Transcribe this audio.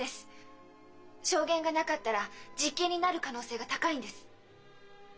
証言がなかったら実刑になる可能性が高いんです。